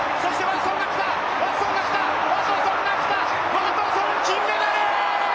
ワトソン、金メダル！